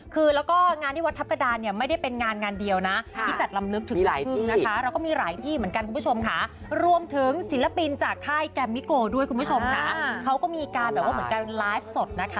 เขาก็มีการแบบว่าเหมือนการไลฟ์สดนะคะ